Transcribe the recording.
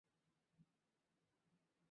ভগবান এতো সুন্দর বানিয়েছেন।